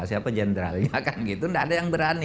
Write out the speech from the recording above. siapa jenderalnya kan gitu nggak ada yang berani